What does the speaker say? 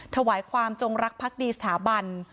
ถวายความจงรักพักดีสถาบัน